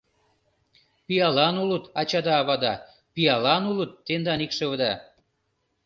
Пиалан улыт ачада-авада, пиалан улыт тендан икшывыда!